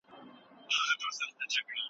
د رنګ لاندې توري اوس پټ نه پاتې کیږي.